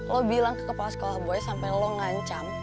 lo bilang ke kepala sekolah gue sampai lo ngancam